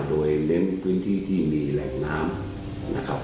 โดยเน้นพื้นที่ที่มีแหล่งน้ำนะครับ